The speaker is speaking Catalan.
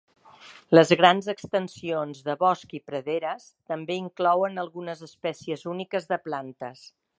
Les grans extensions de bosc i praderes també inclouen algunes espècies úniques de plantes.